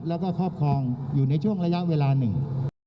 แล้วก็ครอบครองอยู่ในช่วงระยะเวลาหนึ่ง